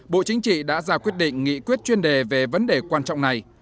bộ chính trị đã ra quyết định nghị quyết chuyên đề về vấn đề quan trọng này